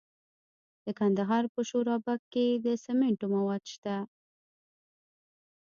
د کندهار په شورابک کې د سمنټو مواد شته.